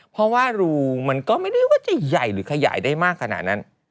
เพราะว่ารูมันก็ไม่ได้ว่าจะใหญ่หรือขยายได้มากขนาดนั้น